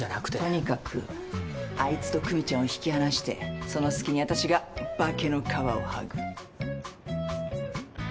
とにかくあいつと久実ちゃんを引き離その隙に私が化けの皮を剥ぐ。